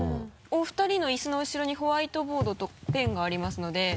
お二人のイスの後ろにホワイトボードとペンがありますので。